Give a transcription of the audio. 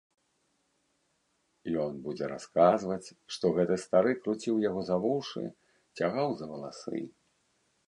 Ён будзе расказваць, што гэты стары круціў яго за вушы, цягаў за валасы.